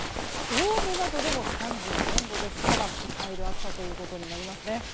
青梅などでも３４度ですからこたえる暑さとなりますね。